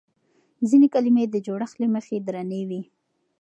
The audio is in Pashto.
ځينې کلمې د جوړښت له مخې درنې وي.